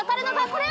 これ。